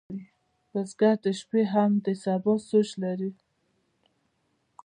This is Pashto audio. بزګر د شپې هم د سبا سوچ لري